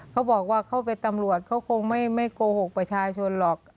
เขาบอกว่าเขาเป็นตำรวจเขาคงไม่โกหกประชาชนหรอก